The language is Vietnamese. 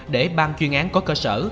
để ban chuyên án có cơ sở